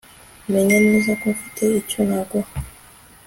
Menya neza ko mfite icyo naguha